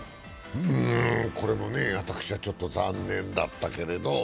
これも私はちょっと残念だったけれど。